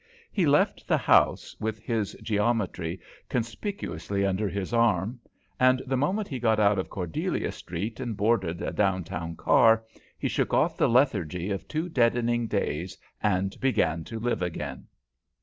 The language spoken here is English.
He left the house with his geometry conspicuously under his arm, and the moment he got out of Cordelia Street and boarded a downtown car, he shook off the lethargy of two deadening days, and began to live again.